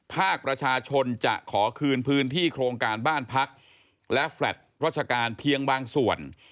ภาคประชาชนจะขอคืนพื้นที่โครงการบ้านพักและแฟลต์ราชการเพียงบางส่วน